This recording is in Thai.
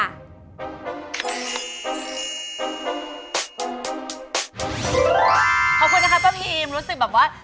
ขอบคุณนะคะป้าพีมรู้สึกแบบว่า